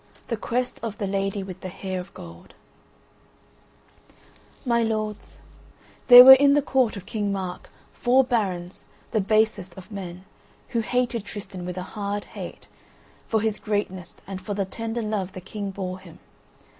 THE QUEST OF THE LADY WITH THE HAIR OF GOLD My lords, there were in the court of King Mark four barons the basest of men, who hated Tristan with a hard hate, for his greatness and for the tender love the King bore him.